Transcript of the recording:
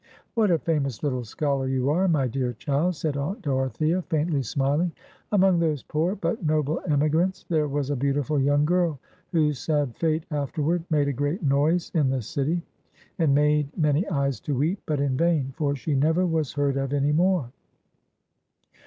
"What a famous little scholar you are, my dear child," said Aunt Dorothea, faintly smiling "among those poor, but noble emigrants, there was a beautiful young girl, whose sad fate afterward made a great noise in the city, and made many eyes to weep, but in vain, for she never was heard of any more."